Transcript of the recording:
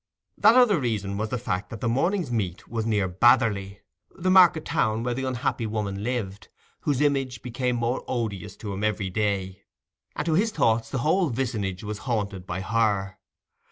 That other reason was the fact that the morning's meet was near Batherley, the market town where the unhappy woman lived, whose image became more odious to him every day; and to his thought the whole vicinage was haunted by her.